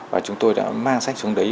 và chúng tôi đã mang sách xuống đấy